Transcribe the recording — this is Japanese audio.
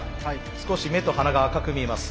少し目と鼻が赤く見えます。